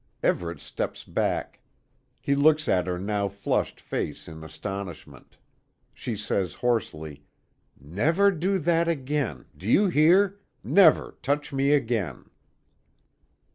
Everet steps back. He looks at her now flushed face in astonishment. She says hoarsely: "Never do that again. Do you hear? Never touch me again!"